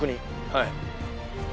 はい。